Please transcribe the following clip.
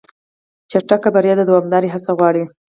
چټک بریا دوامداره هڅه غواړي.